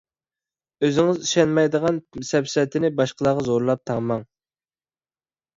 ئۆزىڭىز ئىشەنمەيدىغان سەپسەتىنى باشقىلارغا زورلاپ تاڭماڭ.